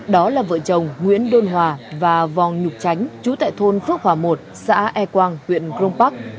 đó là vợ chồng nguyễn đôn hòa và vòng nhục chánh chú tại thôn phước hòa một xã e quang huyện cron park